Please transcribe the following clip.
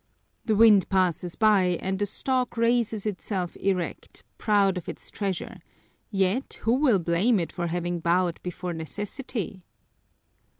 The wind passes by and the stalk raises itself erect, proud of its treasure, yet who will blame it for having bowed before necessity?